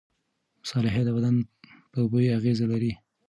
مصالحې د بدن په بوی اغېزه لري.